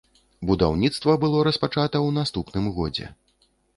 Будаўніцтва было распачата ў наступным годзе.